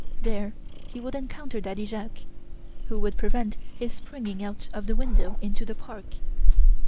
There he would encounter Daddy Jacques, who would prevent his springing out of the window into the park.